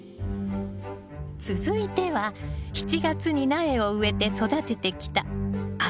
続いては７月に苗を植えて育ててきた秋ナスよ。